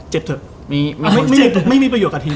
เถอะไม่มีประโยชนกับทีม